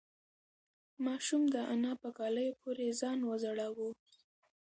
ماشوم د انا په کالیو پورې ځان وځړاوه.